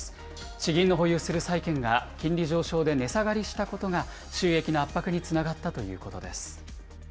地銀の保有する債券が、金利上昇で値下がりしたことが、収益の圧迫につながったということです。